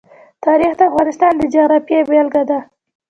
تاریخ د افغانستان د جغرافیې بېلګه ده.